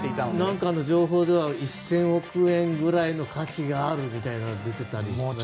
何かの情報では１０００億円ぐらいの価値があるとか出ていましたが。